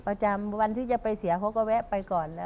ประจำวันที่จะไปเสียเขาก็แวะไปก่อนแล้ว